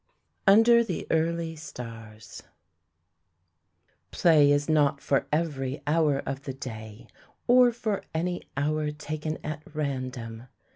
UNDER THE EARLY STARS Play is not for every hour of the day, or for any hour taken at random.